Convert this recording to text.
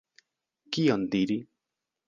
Kion diri?